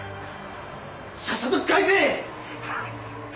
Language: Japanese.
さっさと返せ！